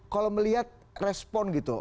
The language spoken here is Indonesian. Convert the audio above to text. kalau melihat respon gitu